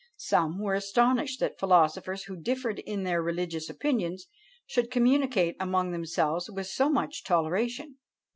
Some were astonished that philosophers who differed in their religious opinions should communicate among themselves with so much toleration.